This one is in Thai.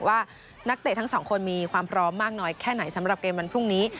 ว่านักเตะทั้งสองคนมีความพร้อมมากน้อยแค่ไหนสำหรับเกมวันพรุ่งนี้